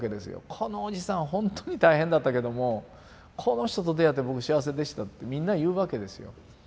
「このおじさんほんとに大変だったけどもこの人と出会って僕幸せでした」ってみんなに言うわけですよ。